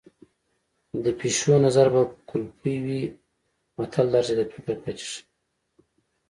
د پيشو نظر به کولپۍ وي متل د هر چا د فکر کچه ښيي